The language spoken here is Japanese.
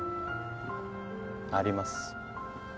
あります。